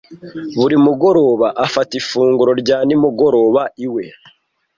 Buri mugoroba afata ifunguro rya nimugoroba iwe.